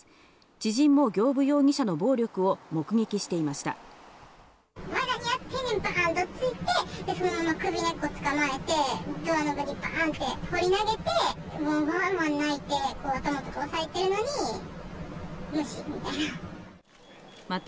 知人も行歩容疑者の暴力を目撃していました。